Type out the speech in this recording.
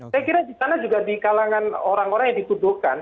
saya kira di sana juga di kalangan orang orang yang dituduhkan